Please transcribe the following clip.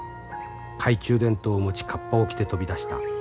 懐中電灯を持ちカッパを着て飛び出した。